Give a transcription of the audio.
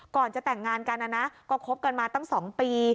ก่อนจะแต่งงานกันนะนะก็คบกันมาตั้ง๒ปี